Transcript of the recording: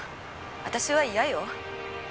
私は嫌よ。